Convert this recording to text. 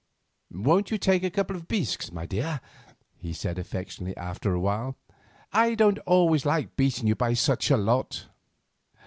"Won't you take a couple of bisques, dear?" he asked affectionately, after a while. "I don't like always beating you by such a lot."